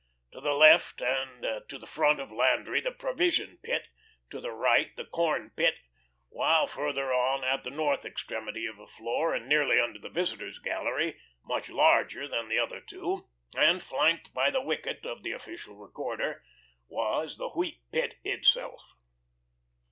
To the left and to the front of Landry the provision pit, to the right the corn pit, while further on at the north extremity of the floor, and nearly under the visitors' gallery, much larger than the other two, and flanked by the wicket of the official recorder, was the wheat pit itself.